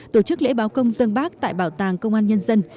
tổ chức lễ báo công dân bác tại bảo tàng công an nhân dân